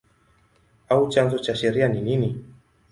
au chanzo cha sheria ni nini?